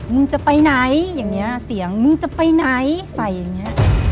มึงจะไปไหนอย่างเงี้เสียงมึงจะไปไหนใส่อย่างนี้